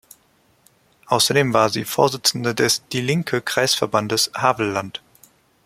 Außerdem war sie Vorsitzende des Die Linke-Kreisverbandes Havelland.